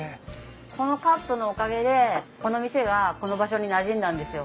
このカップのおかげでこの店がこの場所になじんだんですよ。